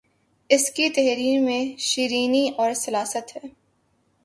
اسکی تحریر میں شیرینی اور سلاست ہے